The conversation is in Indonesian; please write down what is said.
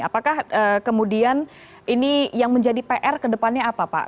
apakah kemudian ini yang menjadi pr kedepannya apa pak